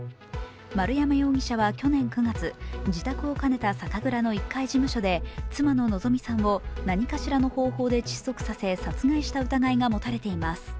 丸山容疑者は去年９月、自宅を兼ねた酒蔵の１階事務所で妻の希美さんを何かしらの方法で窒息させ殺害した疑いが持たれています。